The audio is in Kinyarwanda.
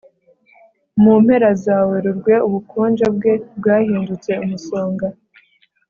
Mu mpera za Werurwe ubukonje bwe bwahindutse umusonga